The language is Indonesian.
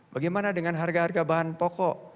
bagaimana dengan harga harga bahan pokok